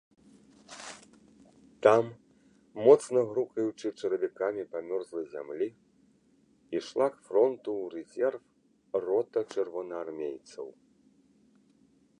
Там, моцна грукаючы чаравікамі па мёрзлай зямлі, ішла к фронту ў рэзерв рота чырвонаармейцаў.